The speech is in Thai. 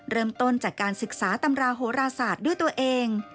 เริ่มต้นจากการศึกษาตำราโหราศาสตร์ด้วยตัวเอง